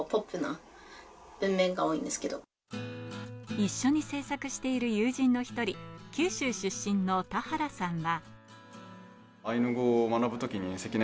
一緒に制作している友人の１人、九州出身の田原さんは。